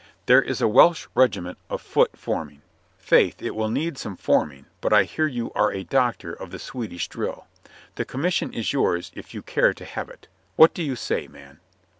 There is a Welsh regiment of foot forming. Faith, it will need some forming, but I hear you are a doctor of the Swedish drill. The commission is yours if you care to have it. What do you say, man?"